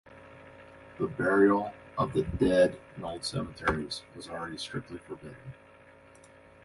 The burial of the dead in old cemeteries was already strictly forbidden.